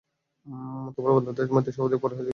তোমার বান্দাদের মধ্যে সর্বাধিক পরহেজগার কে?